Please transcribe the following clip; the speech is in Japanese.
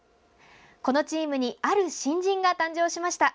このチームにある新人が誕生しました。